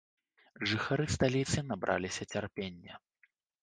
Жыхары сталіцы набраліся цярпення.